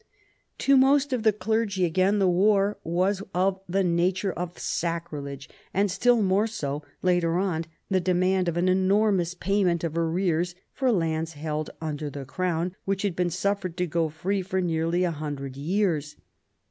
To most of the clergy, again, the war was of the nature of sacrilege ; and still more so, later on, the demand of an enormous payment of arrears for lands held under the Crown, which had been suffered to go free for nearly a hundred years.